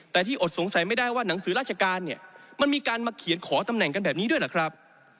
แต่ที่อดสงสัยไม่ได้ว่าหนังสือราชการเนี่ยมันมีการมาเขียนขอตำแหน่งกันแบบนี้ด้วยเหรอครับ